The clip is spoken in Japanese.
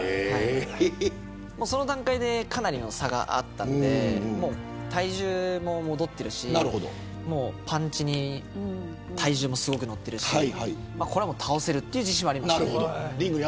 その段階でかなりの差があったので体重も戻っているしパンチに体重もすごくのっているしこれは倒せるという自信がありました。